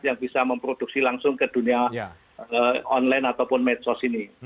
yang bisa memproduksi langsung ke dunia online ataupun medsos ini